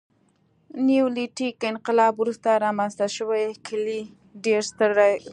نیولیتیک انقلاب وروسته رامنځته شوي کلي ډېر ستر دي.